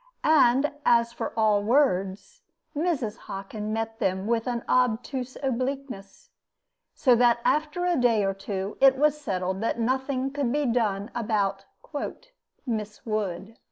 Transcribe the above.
And as for all words, Mrs. Hockin met them with an obtuse obliqueness; so that after a day or two it was settled that nothing could be done about "Miss Wood."